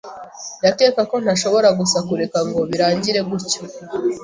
Ndakeka ko ntashobora gusa kureka ngo birangire gutya.